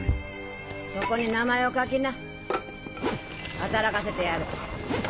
そこに名前を書きな働かせてやる。